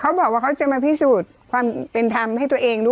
เขาบอกว่าเขาจะมาพิสูจน์ความเป็นธรรมให้ตัวเองด้วย